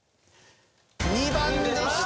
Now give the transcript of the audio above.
２番でした。